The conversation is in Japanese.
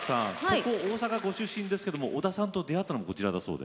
ここ大阪ご出身ですけども織田さんと出会ったのもこちらだそうで。